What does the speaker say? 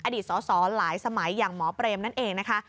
อดีตสอสอหลายสมัยอย่างหมอเปรมนั่นเองนะคะ